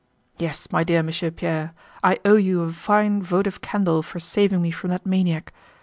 "Yes, my dear Monsieur Pierre, I owe you a fine votive candle for saving me from that maniac....